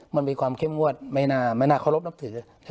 มันมีความเข้มงวดไม่น่าเคารพนับถือ